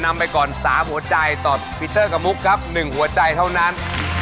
นำไปก่อน๓หัวใจต่อปีเตอร์กับมุกครับ๑หัวใจเท่านั้น